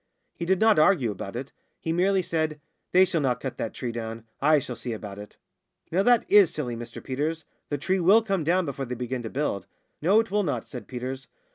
He did not argue about it. He merely said, "They shall not cut that tree down. I shall see about it." "Now that is silly, Mr Peters. The tree will come down before they begin to build." "No, it will not," said Peters.